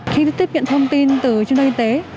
khi tiếp nhận thông tin từ trung đoàn y tế